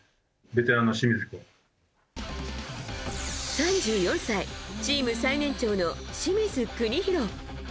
３４歳チーム最年長の清水邦広。